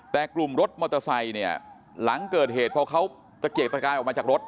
แต่กลุ่มรถมอเตอร์ไซค์เนี่ยหลังเกิดเหตุพอเขาตะเกียกตะกายออกมาจากรถ